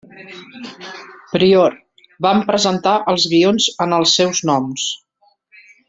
Prior, van presentar els guions en els seus noms.